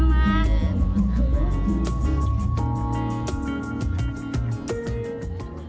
terima kasih mama ya queg skrli